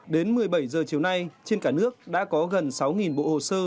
đến một mươi bảy h chiều nay trên cả nước đã có gần sáu bộ hồ sơ